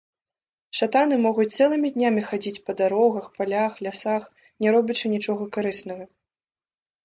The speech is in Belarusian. Шатаны могуць цэлымі днямі хадзіць па дарогах, палях, лясах, не робячы нічога карыснага.